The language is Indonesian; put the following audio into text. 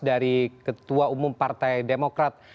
dari ketua umum partai demokrat